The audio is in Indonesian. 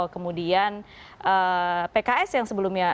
kemudian pks yang sebelumnya